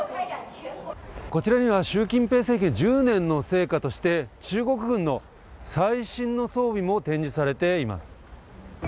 こちらには習近平政権１０年の成果として、中国軍の最新の装備も展示されています。